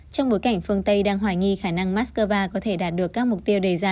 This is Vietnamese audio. trong bối cảnh phương tây đang hoài nghi khả năng moscow có thể đạt được các mục tiêu đề ra